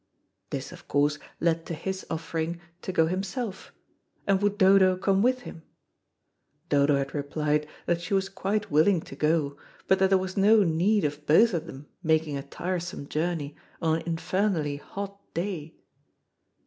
This, of course, led to his offering to go himself, and would Dodo come with him? Dodo had replied that she was quite willing to go, but that there was no need of both of them making a tiresome journey on an infernally hot day.